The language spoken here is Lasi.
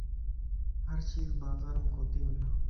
ھر چيز بازار مَ ڪوتي ملَ